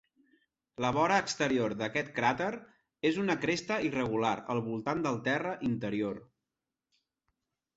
La vora exterior d'aquest cràter és una cresta irregular al voltant del terra interior.